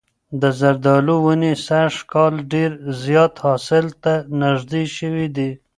د زردالو ونې سږ کال ډېر زیات حاصل ته نږدې شوي دي.